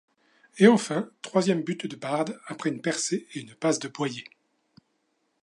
Et enfin troisième but de Bard après une percée et une passe de Boyer.